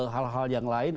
hal hal yang lain